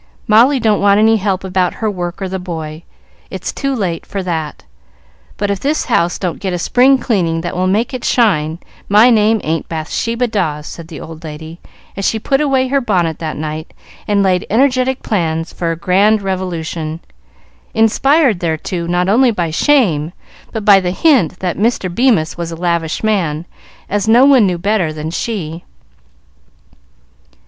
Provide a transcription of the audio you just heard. "Molly don't want any help about her work or the boy: it's too late for that; but if this house don't get a spring cleaning that will make it shine, my name ain't Bathsheba Dawes," said the old lady, as she put away her bonnet that night, and laid energetic plans for a grand revolution, inspired thereto not only by shame, but by the hint that "Mr. Bemis was a lavish man," as no one knew better than she.